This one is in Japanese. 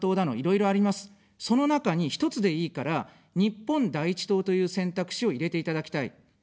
その中に１つでいいから、日本第一党という選択肢を入れていただきたい。